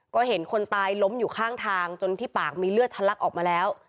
ก็เห็นคนตายล้มอยู่ข้างทางจนที่ปากมีเลือดทะลักออกมาแล้ว